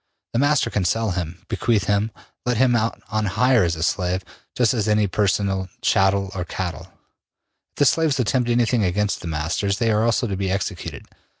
The master can sell him, bequeath him, let him out on hire as a slave, just as any other personal chattel or cattle. If the slaves attempt anything against the masters, they are also to be executed.